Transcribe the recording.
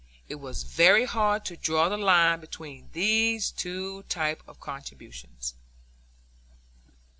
It was very hard to draw the line between these two types of contributions.